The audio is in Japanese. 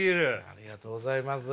ありがとうございます。